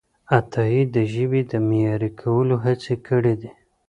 عطایي د ژبې د معیاري کولو هڅې کړیدي.